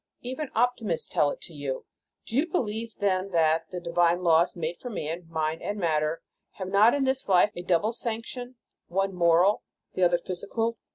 Even optimists tell it to you. Do you believe then that the divine laws made for man, mind and matter, have not in this life a double sanction, one moral, the other physical